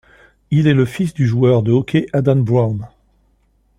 Il est le fils du joueur de hockey Adam Brown.